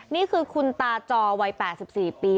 นี่คือคุณตาจอวัย๘๔ปี